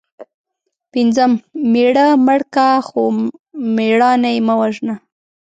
پنځم:مېړه مړ که خو مړانه یې مه وژنه